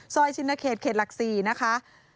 ชินเขตเขตหลัก๔นะคะ